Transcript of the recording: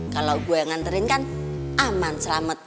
kalau gue yang nganterin kan aman selamat